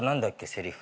せりふ。